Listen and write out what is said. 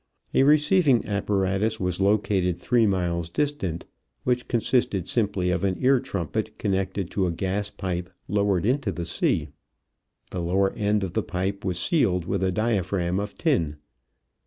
A receiving apparatus was located three miles distant, which consisted simply of an ear trumpet connected to a gas pipe lowered into the sea. The lower end of the pipe was sealed with a diaphragm of tin.